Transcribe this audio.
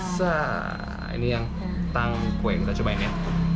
saah ini yang tangkwenya kita cobain ya